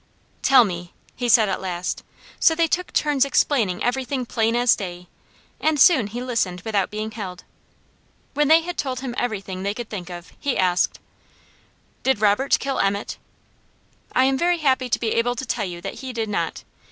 "Tell me!" he said at last, so they took turns explaining everything plain as day, and soon he listened without being held. When they had told him everything they could think of, he asked: "Did Robert kill Emmet?" "I am very happy to be able to tell you that he did not.